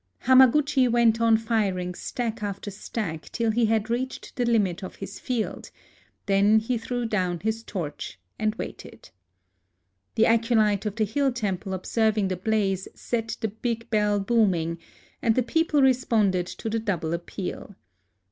Hamaguchi went on firing stack after stack, till he had reached the limit of his field ; then he threw down his torch, and waited. The acolyte of the hill temple, ob serving the blaze, set the big bell booming ; and the people responded to the double ap peal.